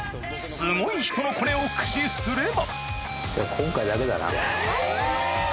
すごい人のコネを駆使すればえぇ！